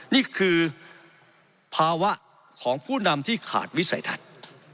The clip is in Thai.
นี่คือภาวะของผู้นำที่ขาดวิสัยทัศน์